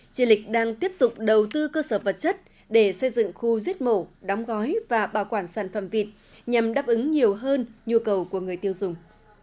chiến lịch đang tiếp tục đầu tư cơ sở vật chất để xây dựng khu giết mổ đóng gói và bảo quản sản phẩm vịt nhằm đáp ứng nhiều hơn nhu cầu của người tiêu dùng